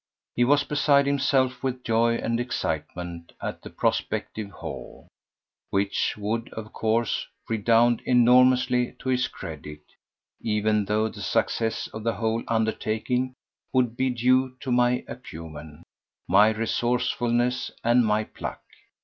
He was beside himself with joy and excitement at the prospective haul, which would, of course, redound enormously to his credit, even though the success of the whole undertaking would be due to my acumen, my resourcefulness and my pluck.